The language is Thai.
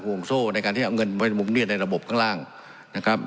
ห่วงโซ่ในการที่เอาเงินไว้มุมนี้ในระบบข้างล่างนะครับ